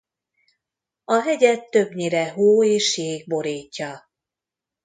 A hegyet többnyire hó és jég borítja.